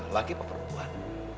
laki apa perempuan